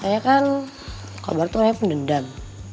soalnya kan kobar tuh rakyat pendendam